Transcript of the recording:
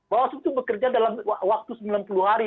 bawaslu itu bekerja dalam waktu sembilan puluh hari